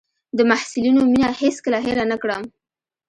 د محصلینو مينه هېڅ کله هېره نه کړم.